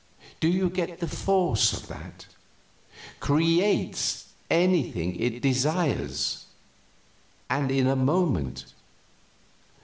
Do you get the force of that? Creates anything it desires and in a moment.